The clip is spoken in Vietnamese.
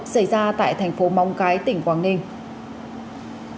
xảy ra tại tp mong cái tỉnh quảng ninh